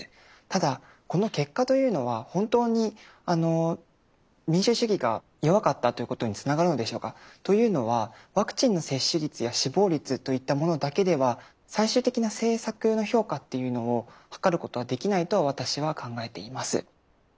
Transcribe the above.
ただこの結果というのは本当に民主主義が弱かったということにつながるのでしょうか？というのはワクチンの接種率や死亡率といったものだけでは最終的な政策の評価っていうのをはかることはできないと私は考えています。